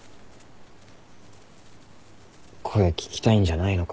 声聞きたいんじゃないのかよ。